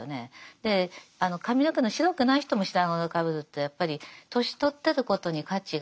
で髪の毛の白くない人も白髪をかぶるとやっぱり年取ってることに価値があるのでね。